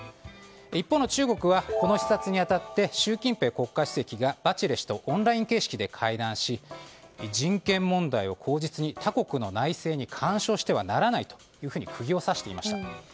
一方の中国はこの視察に当たって習近平国家主席がバチェレ氏とオンライン形式で会談し人権問題を口実に、他国の内政に干渉してはならないと釘を刺していました。